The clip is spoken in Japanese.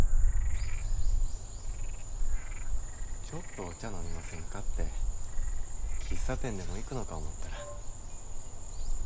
ちょっとお茶飲みませんかって喫茶店でも行くのか思ったら。